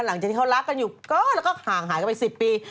หลังจากที่เขารักกันอยู่แล้วก็ห่างหายกันไป๑๐ปี